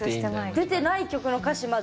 出てない曲の歌詞まで。